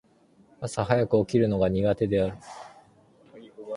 朝早く起きるのが苦手である。